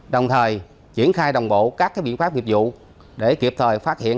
đồng thời triển khai đồng bộ các biện pháp nghiệp vụ để kịp thời phát hiện